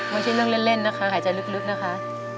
ไม่ใช่เรื่องเล่นนะคะหายใจลึกนะคะ